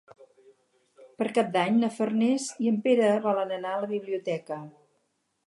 Per Cap d'Any na Farners i en Pere volen anar a la biblioteca.